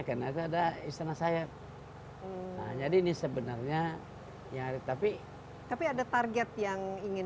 hai budaya sana karena ada istana sayap jadi ini sebenarnya nyari tapi tapi ada target yang ingin